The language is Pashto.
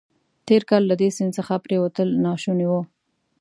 تېر کال له دې سیند څخه پورېوتل ناشوني وو.